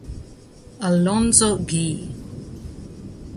Alonzo Gee